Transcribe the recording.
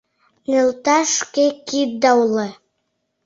Нӧлташ — шке кидда уло.